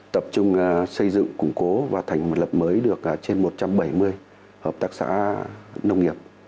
tập trung xây dựng củng cố và thành một lập mới được trên một trăm bảy mươi hợp tác xã nông nghiệp